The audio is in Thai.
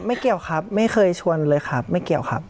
เกี่ยวครับไม่เคยชวนเลยครับไม่เกี่ยวครับ